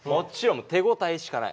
もう手応えしかない！